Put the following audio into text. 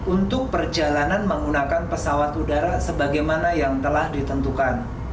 untuk perjalanan menggunakan pesawat udara sebagaimana yang telah ditentukan